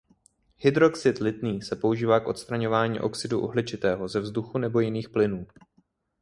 Hydroxid lithný se používá k odstraňování oxidu uhličitého ze vzduchu nebo jiných plynů.